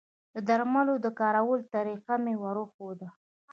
د درملو د کارولو طریقه مې وروښوده